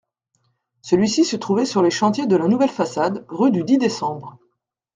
Celui-ci se trouvait sur les chantiers de la nouvelle façade, rue du Dix-Décembre.